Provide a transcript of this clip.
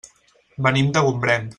Venim de Gombrèn.